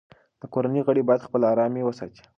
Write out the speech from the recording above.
د کورنۍ غړي باید خپله ارامي وساتي.